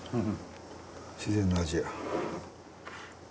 自然の味や。